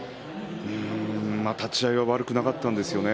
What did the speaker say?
立ち合いは悪くなかったんですよね。